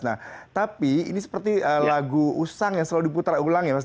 nah tapi ini seperti lagu usang yang selalu diputar ulang ya mas